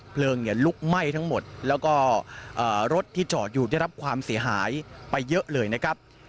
เพลิงลุกไหม้ทั้งหมดแล้วก็รถที่จอดอยู่ได้รับความเสียหายไปเยอะเลยนะครับ